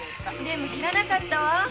でも知らなかったわ。